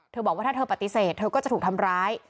บอกว่าถ้าเธอปฏิเสธเธอก็จะถูกทำร้าย